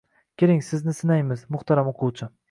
Keling, sizni sinaymiz, muhtaram o‘quvchi!